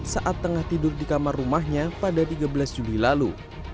saat tengah tidur di kamar rumahnya pada tiga belas juli lalu